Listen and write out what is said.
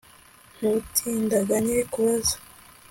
ntutindiganye kubaza